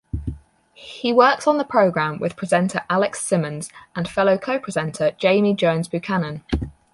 He works on the programme with presenter Alex Simmons and fellow co-presenter Jamie Jones-Buchanan.